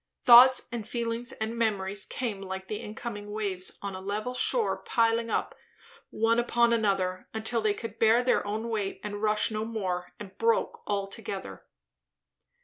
Thoughts and feelings and memories came like the incoming waves on a level shore piling up one upon another, until they could bear their own weight and rush no more and broke all together.